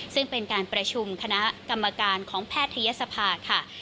ซึ่งเป็นการประชุมคณะกรรมการของแพทยศภาค่ะ